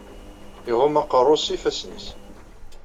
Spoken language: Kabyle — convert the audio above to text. Iɣumm aqerru-s s yifassen-is.